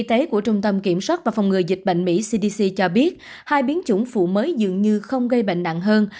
y tế của trung tâm kiểm soát và phòng ngừa dịch bệnh mỹ cdc cho biết hai biến chủng phụ mới dường như không gây bệnh nặng hơn